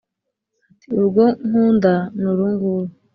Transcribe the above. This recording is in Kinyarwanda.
Ati : Urugo nkunda ni uru nguru